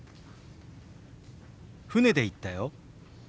船で行ったよ。